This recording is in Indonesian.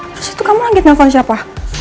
terus itu kamu lanjut nelfon siapa